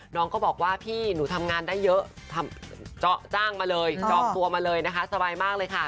น้องก็บอกว่าพี่หนูทำงานได้เยอะเจาะจ้างมาเลยจองตัวมาเลยนะคะสบายมากเลยค่ะ